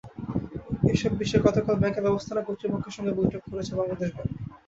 এসব বিষয়ে গতকাল ব্যাংকের ব্যবস্থাপনা কর্তৃপক্ষের সঙ্গে বৈঠক করেছে বাংলাদেশ ব্যাংক।